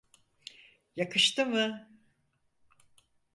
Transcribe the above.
Yakıştı mı?